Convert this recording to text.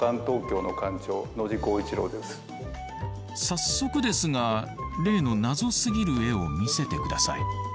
早速ですが例のナゾすぎる絵を見せて下さい。